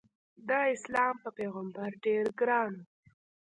داسلام په پیغمبر ډېر ګران و.